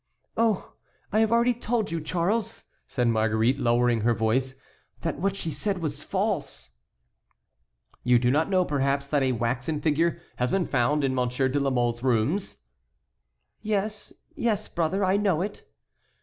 "Oh, I have already told you, Charles," said Marguerite, lowering her voice, "that what she said was false." "You do not know perhaps that a waxen figure has been found in Monsieur de la Mole's rooms?" "Yes, yes, brother, I know it."